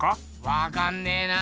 わかんねえな。